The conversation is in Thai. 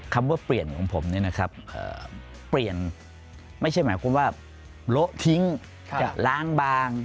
คำว่าเปลี่ยนของผมเนี่ยนะครับเปลี่ยนไม่ใช่หมายความว่าโละทิ้งจะล้างบาง